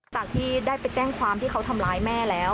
จากที่ได้ไปแจ้งความที่เขาทำร้ายแม่แล้ว